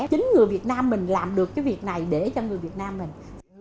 chính người việt nam mình làm được cái việc này để cho người việt nam mình